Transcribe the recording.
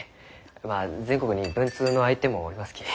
まあ全国に文通の相手もおりますき。